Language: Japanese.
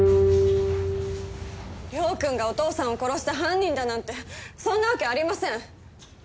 涼くんがお父さんを殺した犯人だなんてそんなわけありません！